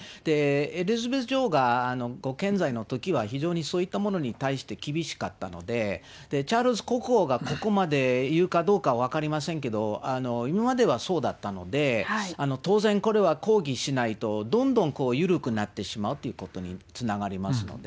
エリザベス女王がご健在のときは、非常にそういったものに対して厳しかったので、チャールズ国王がここまで言うかどうか分かりませんけど、今まではそうだったので、当然これは抗議しないと、どんどん緩くなってしまうということにつながりますので。